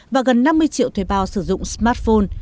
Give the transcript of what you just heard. và gần năm mươi triệu thuê bao sử dụng smartphone